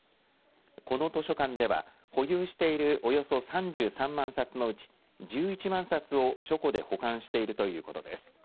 この図書館では保有しているおよそ３３万冊のうち１１万冊を書庫で保管しているということです。